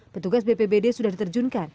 petugas bpbd sudah diterjunkan